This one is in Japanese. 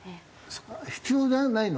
必要じゃないの？